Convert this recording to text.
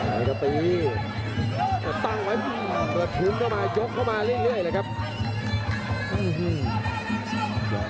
ไฟท์ก็ตีตั้งไว้แล้วทิ้งเข้ามายกเข้ามาเรื่อยเลยครับ